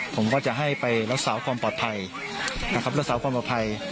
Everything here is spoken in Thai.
ผมก็จะให้ไปรักษาออกความปลอดภัย